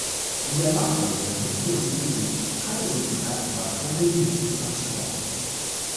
In der Nachfolgesendung "Here’s Lucy" hatte sie zum ersten Mal ein regelmäßiges Engagement.